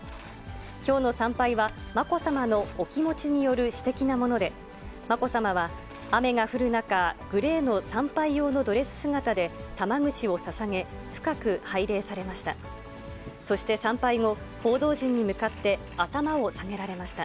きょうの参拝は、まこさまのお気持ちによる私的なもので、まこさまは雨が降る中、グレーの参拝用のドレス姿で玉串をささげ、深く拝礼されました。